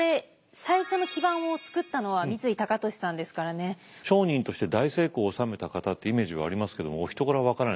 もうこれ商人として大成功を収めた方ってイメージはありますけどもお人柄は分からない。